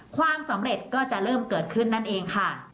ความสำเร็จก็จะเริ่มเกิดขึ้นนั่นเองค่ะ